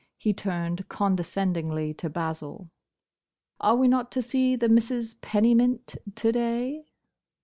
He turned condescendingly to Basil. "Are we not to see the Misses Pennymint to day?"